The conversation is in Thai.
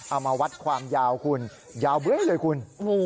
เอามาวัดความยาวคุณยาวเบื้อเลยคุณ